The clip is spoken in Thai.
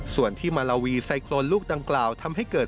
ส่วนที่มาลาวีไซโครนลูกดังกล่าวทำให้เกิด